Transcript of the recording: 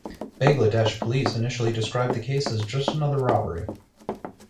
Bangladesh police initially described the case as "just another robbery".